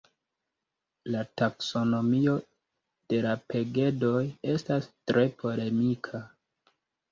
La taksonomio de la pegedoj estas tre polemika.